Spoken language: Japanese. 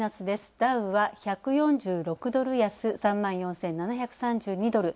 ダウは１４６ドル安、３万４７３２ドル。